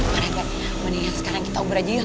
pak rete mendingan sekarang kita uber aja yuk